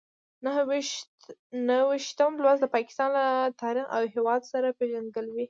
نهه ویشتم لوست د پاکستان له تاریخ او هېواد سره پېژندګلوي ده.